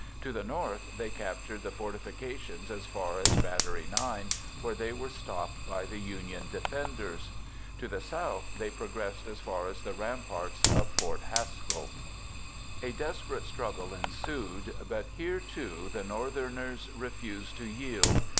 To the north, they captured the fortifications as far as Battery IX where they were stopped by the Union defenders; to the south, they progressed as far as the ramparts of Fort Haskell. A desperate struggle ensued, but here, too, the Northerners refused to yield.